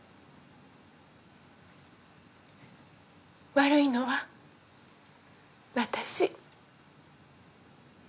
悪いのは私。